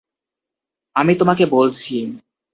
আমি তোমাকে বলছি।